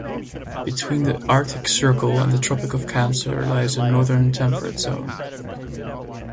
Between the Arctic Circle and the Tropic of Cancer lies the Northern Temperate Zone.